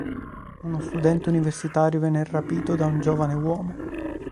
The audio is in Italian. Uno studente universitario viene rapito da un giovane uomo.